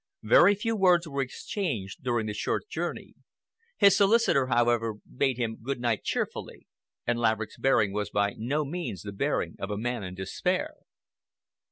Very few words were exchanged during the short journey. His solicitor, however, bade him good night cheerfully, and Laverick's bearing was by no means the bearing of a man in despair.